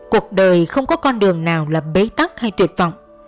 cuộc đời không có con đường nào là bế tắc hay tuyệt vọng